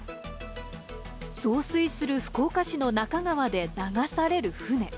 増水する福岡市のなか川で流される船。